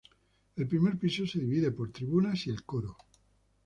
El primer piso se divide por tribunas y el coro.